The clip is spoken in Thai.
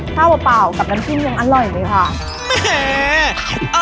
ข้าวเปล่ากับกันกินยังอร่อยเลยค่ะ